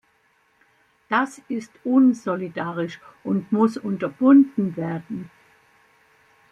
Das ist unsolidarisch und muss unterbunden werden.